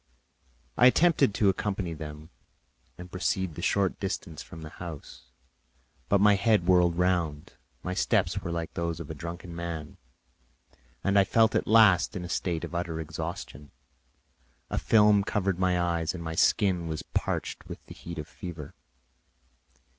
I attempted to accompany them and proceeded a short distance from the house, but my head whirled round, my steps were like those of a drunken man, I fell at last in a state of utter exhaustion; a film covered my eyes, and my skin was parched with the heat of fever.